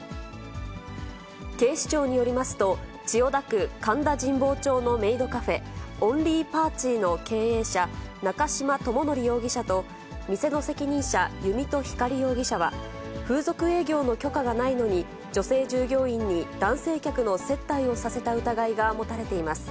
警視庁によりますと、千代田区神田神保町のメイドカフェ、おんりーぱーちぃの経営者、中島与範容疑者と店の責任者、弓戸比加里容疑者は、風俗営業の許可がないのに、女性従業員に男性客の接待をさせた疑いが持たれています。